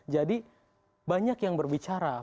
jadi banyak yang berbicara